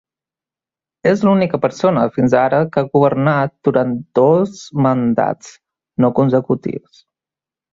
És l'única persona fins ara que ha governat durant dos mandats no consecutius.